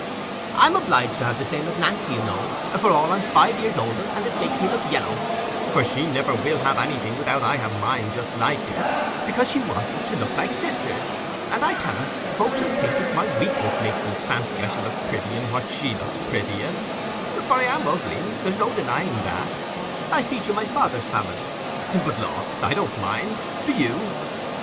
"I'm obliged to have the same as Nancy, you know, for all I'm five years older, and it makes me look yallow; for she never will have anything without I have mine just like it, because she wants us to look like sisters. And I tell her, folks 'ull think it's my weakness makes me fancy as I shall look pretty in what she looks pretty in. For I am ugly—there's no denying that: I feature my father's family. But, law! I don't mind, do you?"